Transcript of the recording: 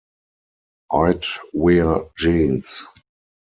I'd wear jeans.